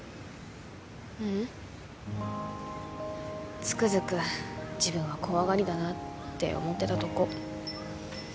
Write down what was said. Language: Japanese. ううんつくづく自分は怖がりだなって思ってたとこ